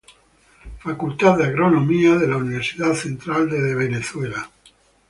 Facultad de Agronomía, de la "Universidad Central de Venezuela".